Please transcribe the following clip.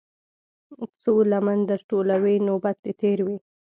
څــــو لمـــن در ټولـــوې نوبت دې تېر وي.